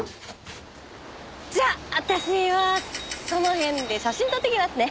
じゃあ私はその辺で写真撮ってきますね。